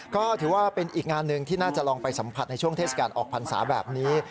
ก็ถือว่าเป็นอีกงานหนึ่งที่น่าจะลองไปสัมผัสในช่วงเทศกาลออกพรรษาแบบนี้